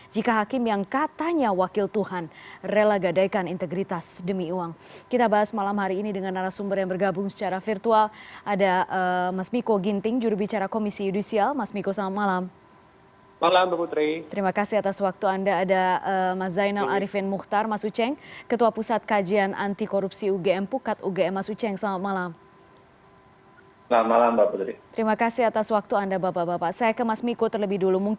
jika hakim yang katanya wakil tuhan rela gadaikan integritas demi uang